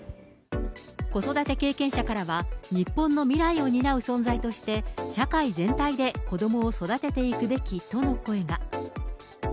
子育て経験者からは、日本の未来を担う存在として、社会全体で子どもを育てていくべきとの声が。